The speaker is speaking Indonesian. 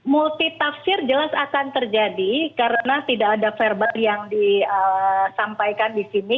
multi tafsir jelas akan terjadi karena tidak ada verbal yang disampaikan di sini